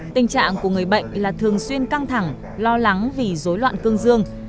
tình trạng của người bệnh là thường xuyên căng thẳng lo lắng vì dối loạn cương dương